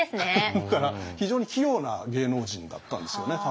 だから非常に器用な芸能人だったんですよね多分。